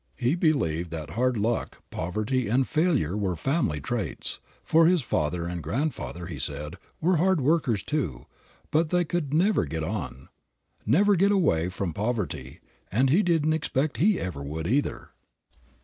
He believed that hard luck, poverty and failure were family traits; for his father and grandfather, he said, were hard workers too, but they could never get on, never get away from poverty, and he didn't expect he ever would either.